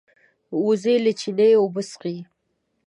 وزې له چینې اوبه څښي